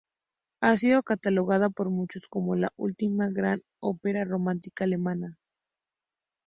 Ha sido catalogada por muchos como la última gran ópera romántica alemana.